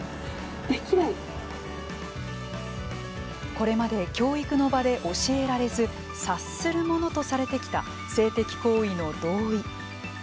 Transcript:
これまで教育の場で教えられず察するものとされてきた性的行為の同意。